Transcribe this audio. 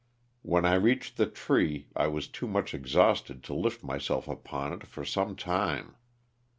When I reached the tree I was too much exhausted to lift myself upon it for some time.